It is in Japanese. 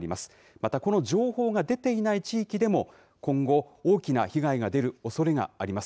またこの情報が出ていない地域でも、今後、大きな被害が出るおそれがあります。